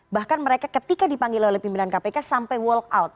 bahkan mereka ketika dipanggil oleh pimpinan kpk sampai walk out